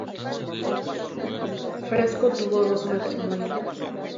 Fresco tuvo dos matrimonios.